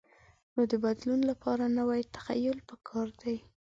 نو د بدلون لپاره نوی تخیل پکار دی.